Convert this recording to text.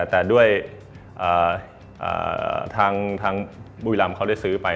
แต่ด้วยทางบุรีรำเขาได้ซื้อไป